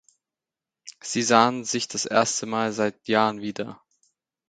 Sie sahen sich das Erste mal seit Jahren wieder.